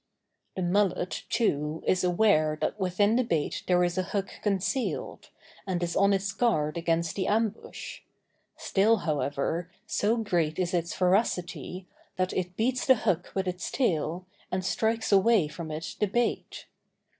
The mullet, too, is aware that within the bait there is a hook concealed, and is on its guard against the ambush; still, however, so great is its voracity, that it beats the hook with its tail, and strikes away from it the bait.